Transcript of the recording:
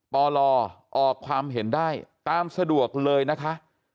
ปลออกความเห็นได้ตามสะดวกเลยนะคะ